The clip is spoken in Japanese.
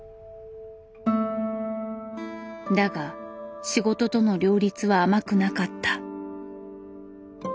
だが仕事との両立は甘くなかった。